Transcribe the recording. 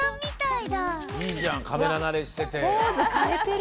いいじゃんカメラなれしてて。